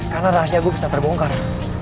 karena rahasia gue bisa terbongkar